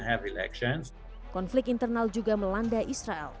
selama dua belas tahun terakhir benjamin netanyahu menjabat sebagai perdana menteri israel